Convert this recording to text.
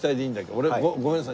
俺ごめんなさい